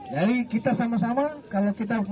jadi kita sama sama kalau kita mau menuju